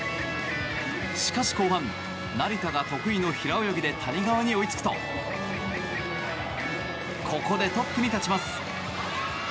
しかし後半、成田が得意の平泳ぎで谷川に追いつくとここでトップに立ちます。